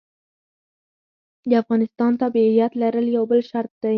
د افغانستان تابعیت لرل یو بل شرط دی.